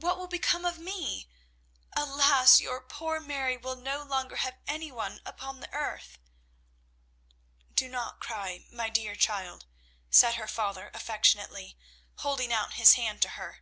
What will become of me? Alas, your poor Mary will no longer have any one upon the earth!" "Do not cry, my dear child," said her father affectionately, holding out his hand to her.